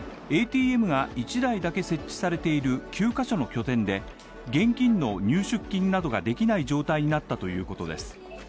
ＡＴＭが１台だけ設置されている９カ所の拠点で現金の入出金などができない状態になったということです。